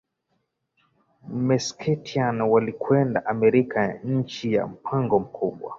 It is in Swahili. Meskhetian walikwenda Amerika chini ya mpango mkubwa